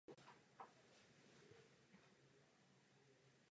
Je demokrat.